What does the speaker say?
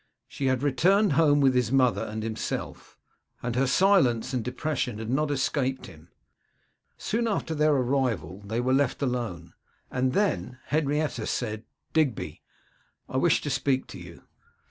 She had returned home with his mother and himself, and her silence and depression had not escaped him. Soon after their arrival they were left alone, and then Henrietta said, 'Digby, I wish to speak to you!